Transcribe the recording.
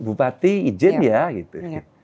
bupati ijin ya gitu